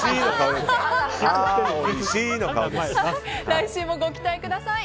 来週もご期待ください。